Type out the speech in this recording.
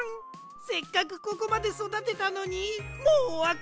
せっかくここまでそだてたのにもうおわかれ？